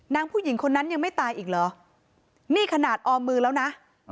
ผู้หญิงคนนั้นยังไม่ตายอีกเหรอนี่ขนาดออมมือแล้วนะ